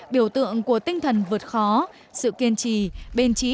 biểu tượng của tinh thần vượt khó sự kiên trì bền trí